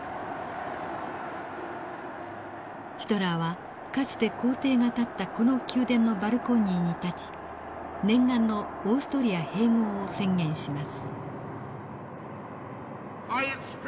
ヒトラーはかつて皇帝が立ったこの宮殿のバルコニーに立ち念願のオーストリア併合を宣言します。